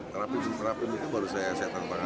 terapi terapi itu baru saya siapkan kemarin